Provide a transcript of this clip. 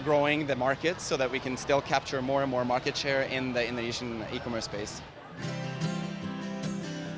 supaya kita masih bisa mengambil kebanyakan pasar pasar di tempat e commerce indonesia